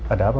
ada apa bu